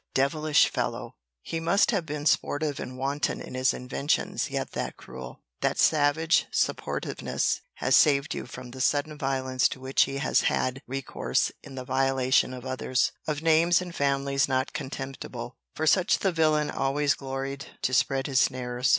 Devilish fellow! He must have been sportive and wanton in his inventions—yet that cruel, that savage sportiveness has saved you from the sudden violence to which he has had recourse in the violation of others, of names and families not contemptible. For such the villain always gloried to spread his snares.